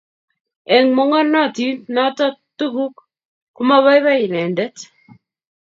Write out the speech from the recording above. Eng mongornotit noto tuguk, komabaibai inendet